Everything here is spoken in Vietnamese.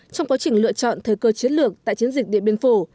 trong quá trình lựa chọn thời cơ chiến lược tại chiến dịch điện biên phủ